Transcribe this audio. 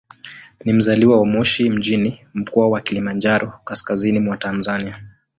Ni mzaliwa wa Moshi mjini, Mkoa wa Kilimanjaro, kaskazini mwa Tanzania.